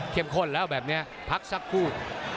เข้มข้นแล้วแบบนี้พักซักคู่